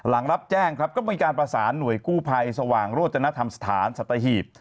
หลังรับแจ้งครับก็มีการประสานหน่วยกู้ภัยสว่างโรจนธรรมสถานสัตหีบ